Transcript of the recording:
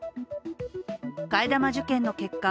替え玉受検の結果